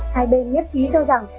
hai bên nhấp trí cho rằng